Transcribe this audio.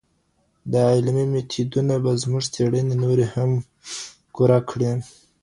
دا علمي میتودونه به زموږ څېړني نوري هم کره کړي.